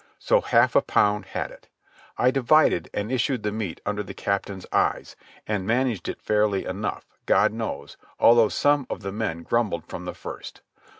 So half a pound had it. I divided and issued the meat under the captain's eyes, and managed it fairly enough, God knows, although some of the men grumbled from the first.